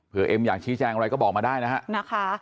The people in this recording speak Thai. เพื่อเอ็มอยากชี้แจงอะไรก็บอกมาได้นะฮะ